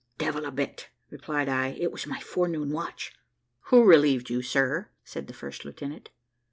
`Devil a bit,' replied I, `it was my forenoon watch.' `Who relieved you, sir?' said the first lieutenant.